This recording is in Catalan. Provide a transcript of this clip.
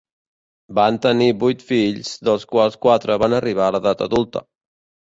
Van tenir vuit fills, dels quals quatre van arribar a l'edat adulta.